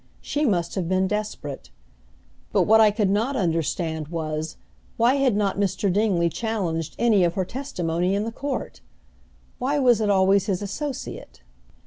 She must have been desperate. But, what I could not understand was, why had not Mr. Dingley challenged any of her testimony in the court? Why was it always his associate?